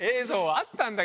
あったんだ。